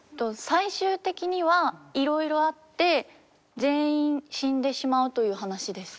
最終的にはいろいろあって全員死んでしまうという話です。